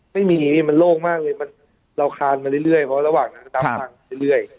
ไม่มีมันโลกมากเลยเราคานมันเรื่อยเพราะว่าระหว่างนั้นตามทางเรื่อย